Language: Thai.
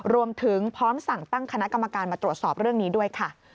รวมถึงพร้อมสั่งตั้งคณะกรรมการมาตรวจสอบเรื่องนี้ด้วยค่ะ